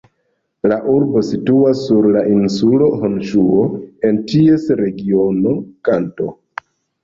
La urbo situas sur la insulo Honŝuo, en ties regiono Kanto.